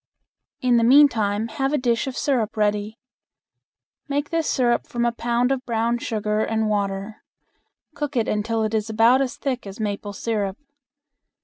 In the meantime have a dish of syrup ready. Make this syrup from a pound of brown sugar and water. Cook it until it is about as thick as maple syrup.